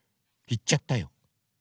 いっちゃったよ。